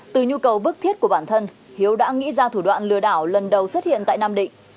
từ nhu cầu bức thiết của bản thân hiếu đã nghĩ ra thủ đoạn lừa đảo lần đầu xuất hiện tại nam định